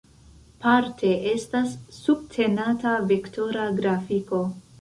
Parte estas subtenata vektora grafiko.